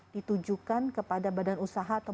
ditujukan kepada badan usaha atau